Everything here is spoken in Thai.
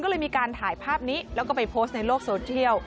ก็เลยมีการถ่ายภาพนี้แล้วก็ไปโพสต์ในโลกโซเทียล